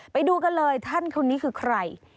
ไปดูกันเลยท่านคนนี้คือใคร